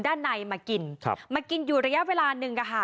ด้านในมากินมากินอยู่ระยะเวลาหนึ่ง